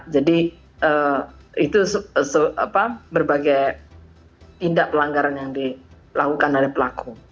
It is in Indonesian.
jadi itu berbagai tindak pelanggaran yang dilakukan oleh pelaku